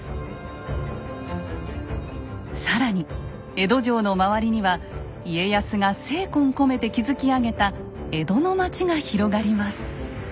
更に江戸城の周りには家康が精魂込めて築き上げた江戸の町が広がります。